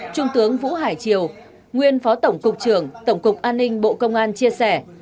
trung tướng vũ hải triều nguyên phó tổng cục trưởng tổng cục an ninh bộ công an chia sẻ